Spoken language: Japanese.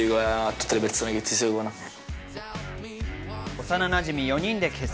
幼なじみ４人で結成。